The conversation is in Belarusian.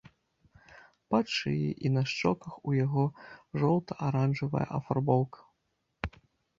Пад шыяй і на шчоках у яго жоўта-аранжавая афарбоўка.